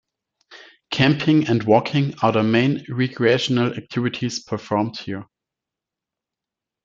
Camping and walking are the main recreational activities performed here.